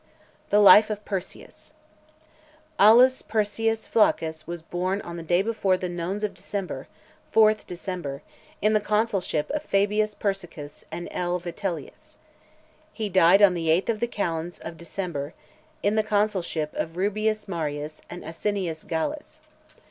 THE LIFE OF PERSIUS. AULUS PERSIUS FLACCUS was born the day before the Nones of December [4th Dec.] , in the consulship of Fabius Persicus and L. Vitellius. He died on the eighth of the calends of December [24th Nov.] in the consulship of Rubrius Marius and Asinius Gallus.